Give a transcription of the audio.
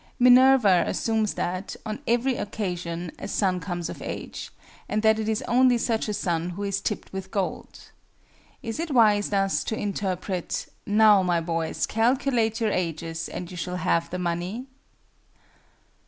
MINERVA assumes that, on every occasion, a son comes of age; and that it is only such a son who is "tipped with gold." Is it wise thus to interpret "now, my boys, calculate your ages, and you shall have the money"?